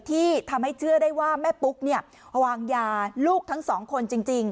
ที่ทำให้เชื่อได้ว่าแม่ปุ๊กวางยาลูกทั้งสองคนจริง